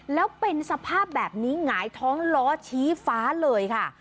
แล้วเป็นสภาพแบบนี้หงายท้องล้อชี้ฟ้าเลยค่ะ